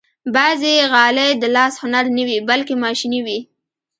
بعضې غالۍ د لاس هنر نه وي، بلکې ماشيني وي.